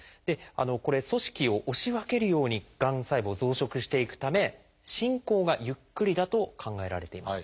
これ組織を押し分けるようにがん細胞増殖していくため進行がゆっくりだと考えられています。